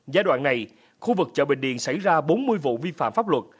giai đoạn này khu vực chợ bình điền xảy ra bốn mươi vụ vi phạm pháp luật